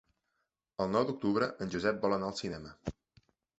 El nou d'octubre en Josep vol anar al cinema.